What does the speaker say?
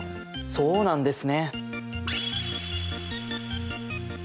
そうなんです。